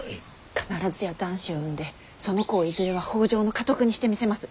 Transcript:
必ずや男子を産んでその子をいずれは北条の家督にしてみせます。